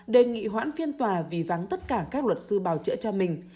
đề nghị hoãn phiên tòa vì vắng tất cả các luật sư bảo chữa cho mình